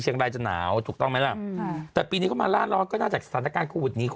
รายจะหนาวถูกต้องไหมล่ะแต่ปีนี้เข้ามาล่าร้อนก็น่าจะสถานการณ์โควิดนี้